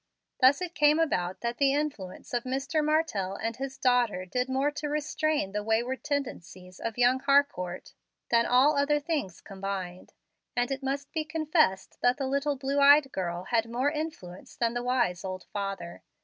Thus it came about that the influence of Mr. Martell and his daughter did more to restrain the wayward tendencies of young Harcourt than all other things combined; and it must be confessed that the little blue eyed girl had more influence than the wise old father.